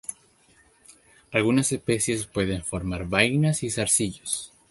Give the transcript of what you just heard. Algunas especies pueden formar vainas y zarcillos.